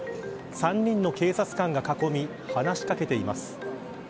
３人の警察官が囲み話し掛けています。